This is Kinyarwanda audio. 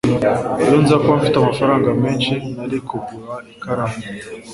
iyo nza kuba mfite amafaranga menshi, nari kugura ikaramu